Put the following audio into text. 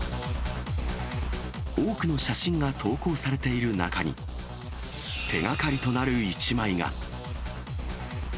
多くの写真が投稿されている中に、手がかりとなる一枚が。